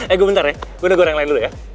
eh gue bentar ya gue negor yang lain dulu ya